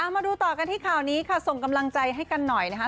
มาดูต่อกันที่ข่าวนี้ค่ะส่งกำลังใจให้กันหน่อยนะคะ